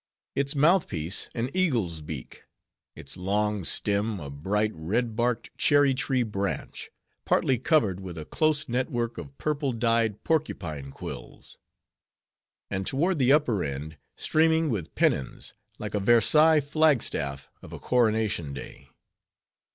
Its mouth piece an eagle's beak; its long stem, a bright, red barked cherry tree branch, partly covered with a close network of purple dyed porcupine quills; and toward the upper end, streaming with pennons, like a Versailles flag staff of a coronation day.